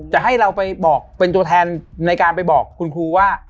จะให้เราไปบอกเป็นตัวแทนในการไปบอกคุณครูว่า